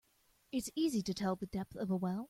It's easy to tell the depth of a well.